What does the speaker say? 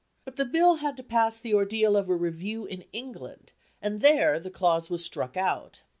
But the Bill had to pass the ordeal of a review in England, and there the clause was struck out.